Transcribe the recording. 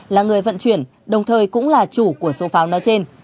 là người vận chuyển đồng thời cũng là chủ của số pháo nói trên